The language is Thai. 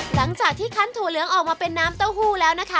หลังจากที่คันถั่วเหลืองออกมาเป็นน้ำเต้าหู้แล้วนะคะ